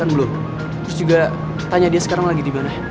terus juga tanya dia sekarang lagi di mana